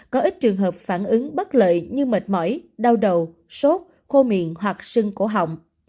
có ít trường hợp phản ứng bất lợi như mệt mỏi đau đầu sốt khô miệng hoặc sưng cổ họng